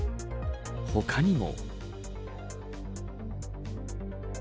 他にも。